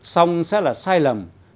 xong sẽ là sai lầm